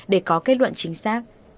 để có kết luận chính xác